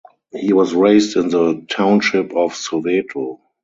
He was raised in the township of Soweto.